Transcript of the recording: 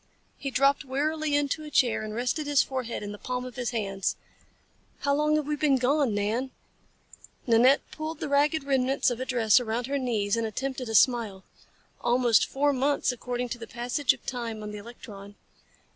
He dropped wearily into a chair and rested his forehead in the palms of his hands. "How long have we been gone, Nan?" Nanette pulled the ragged remnants of a dress around her knees and attempted a smile. "Almost four months, according to the passage of time on the electron."